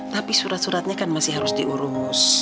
tapi surat suratnya kan masih harus diurus